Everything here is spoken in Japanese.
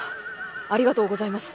ありがとうございます。